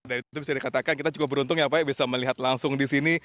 dari itu bisa dikatakan kita cukup beruntung yang baik bisa melihat langsung di sini